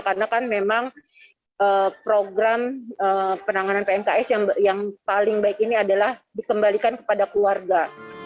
karena kan memang program penanganan pmks yang paling baik ini adalah dikembalikan kepada keluarga